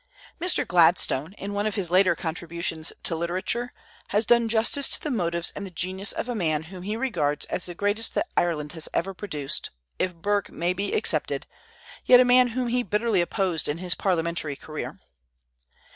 Mr. Gladstone, in one of his later contributions to literature, has done justice to the motives and the genius of a man whom he regards as the greatest that Ireland has ever produced, if Burke may be excepted, yet a man whom he bitterly opposed in his parliamentary career.